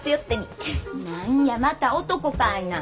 何やまた男かいな。